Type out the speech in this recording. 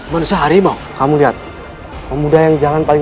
farida kamu dimana nak